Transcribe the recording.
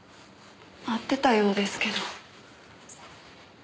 会ってたようですけど。